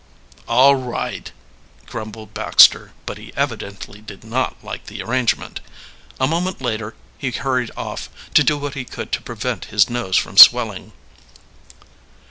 "All right," grumbled Baxter, but he evidently did not like the arrangement. A moment later he hurried off, to do what he could to prevent his nose from swelling.